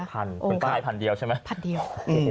เป็นป้าย๑๐๐๐เดียวใช่ไหม๑๐๐๐เดียว